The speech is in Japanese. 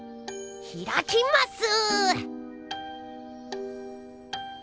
ひらきます！